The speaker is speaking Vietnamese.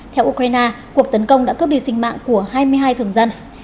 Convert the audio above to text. theo ukraine cuộc tấn công đã cướp đi sinh mạng của hai mươi hai thường dân